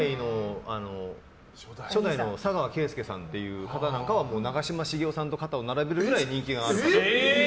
初代の砂川啓介さんという方は長嶋茂雄さんと肩を並べるくらい人気がある方で。